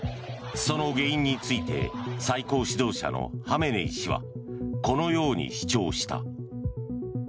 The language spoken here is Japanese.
その原因について最高指導者のハメネイ師はこのように主張した。